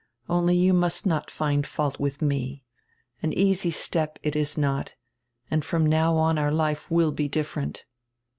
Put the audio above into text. Only you must not find fault with me. An easy step it is not, and from now on our life will be different."